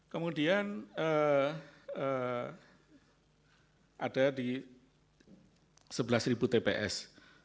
kemudian ada di sebelas tps